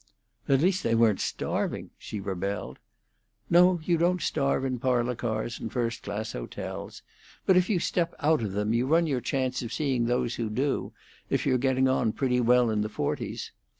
"At least they weren't starving," she rebelled. "No, you don't starve in parlor cars and first class hotels; but if you step out of them you run your chance of seeing those who do, if you're getting on pretty well in the forties.